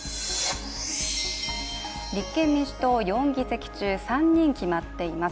立憲民主党、４議席中３人決まっています。